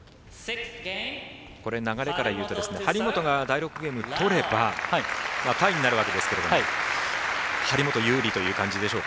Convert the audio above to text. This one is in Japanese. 流れからいうと張本が第６ゲーム取ればタイになるわけですが張本有利ということですか？